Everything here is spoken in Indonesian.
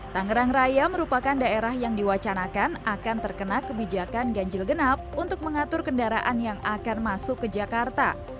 tangerang raya merupakan daerah yang diwacanakan akan terkena kebijakan ganjil genap untuk mengatur kendaraan yang akan masuk ke jakarta